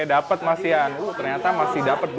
dapat masian ternyata masih dapat dua puluh ribu